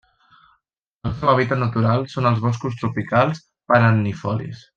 El seu hàbitat natural són els boscos tropicals perennifolis.